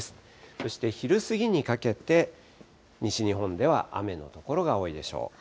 そして、昼過ぎにかけて西日本では雨の所が多いでしょう。